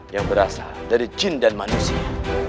yang berasal dari cin dan manusia